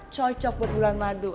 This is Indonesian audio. cocok buat bulan madu